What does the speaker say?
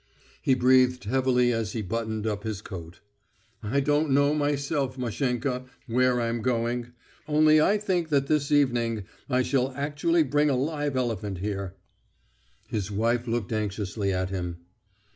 He breathed heavily as he buttoned up his coat. "I don't know myself, Mashenka, where I'm going. ... Only I think that this evening I shall actually bring a live elephant here. His wife looked anxiously at him.